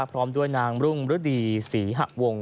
พร้อมด้วยที่บรุงฤดีศรีหะวงค์